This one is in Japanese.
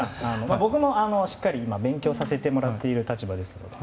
僕もしっかり今、勉強させてもらっている立場ですので。